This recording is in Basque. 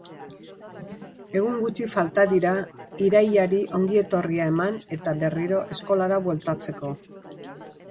Egun gutxi falta dira irailari ongietorria eman eta berriro eskolara bueltatzeko.